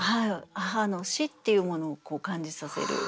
母の死っていうものを感じさせる。